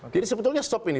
jadi sebetulnya stop ini